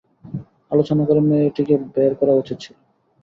আলোচনা করে মেয়েটিকে বের করা উচিত ছিলো।